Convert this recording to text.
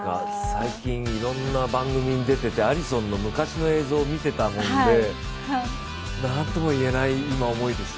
最近、いろんな番組に出ていてアリソンの昔の映像を見ていたもんで、なんともいえない、今、思いです。